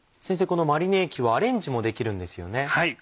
このマリネ液はアレンジもできるんですよね。